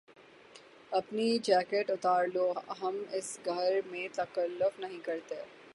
اپنی جیکٹ اتار لو۔ ہم اس گھر میں تکلف نہیں کرتے